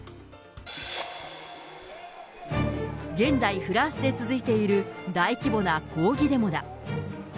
現在、フランスで続いている大規模な抗議デモだ。